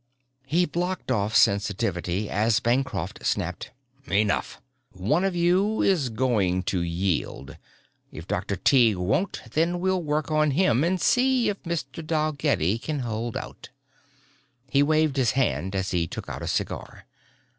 He blocked off sensitivity as Bancroft snapped, "Enough. One of you is going to yield. If Dr. Tighe won't, then we'll work on him and see if Mr. Dalgetty can hold out." He waved his hand as he took out a cigar.